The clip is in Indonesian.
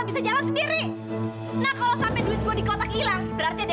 gila bagaimana kalau dika itu menang tercer